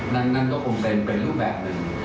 นั่นก็คงเป็นรูปแบบหนึ่ง